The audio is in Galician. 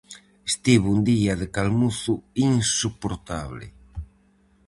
Estivo un día de calmuzo insoportable.